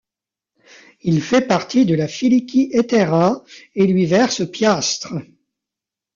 Il fait partie de la Philiki Etairia et lui verse piastres.